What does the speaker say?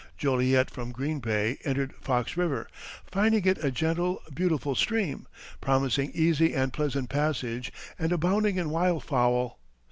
Joliet from Green Bay entered Fox River, finding it a gentle, beautiful stream, promising easy and pleasant passage and abounding in wildfowl.